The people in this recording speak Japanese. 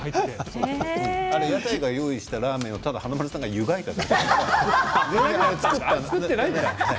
あれは屋台が用意したラーメンを華丸さんが、ただ湯がいただけ。